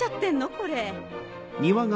これ。